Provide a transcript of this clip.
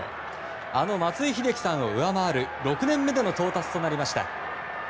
あの松井秀喜さんを上回る６年目での到達となりました。